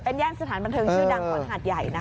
ย่านสถานบันเทิงชื่อดังของหาดใหญ่นะคะ